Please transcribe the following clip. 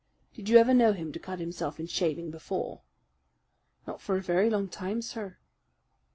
"Did you ever know him to cut himself in shaving before?" "Not for a very long time, sir."